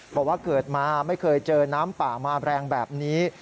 บอกว่าเกิดมาไม่เคยเจอน้ำป่ามาแรงแบบนี้